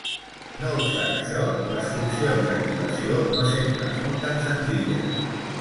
No obstant això, les funcions d'activació no sempre són tan senzilles.